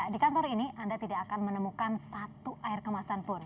di kantor ini anda tidak akan menemukan satu air kemasan pun